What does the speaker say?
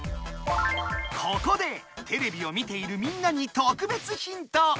ここでテレビを見ているみんなにとくべつヒント！